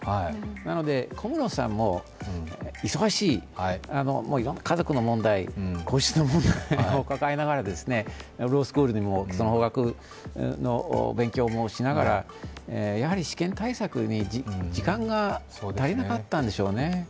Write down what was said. なので、小室さんも忙しい、家族の問題、皇室の問題を抱えながらロースクールにも法学の勉強もしながらやはり試験対策に時間が足りなかったんでしょうね。